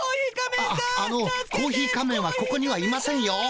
ああのコーヒー仮面はここにはいませんよ。